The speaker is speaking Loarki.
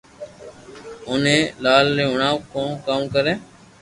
اوني لال ني ھڻاو ڪو ڪاوُ ڪري